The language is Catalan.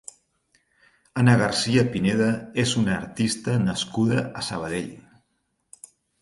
Ana García-Pineda és una artista nascuda a Sabadell.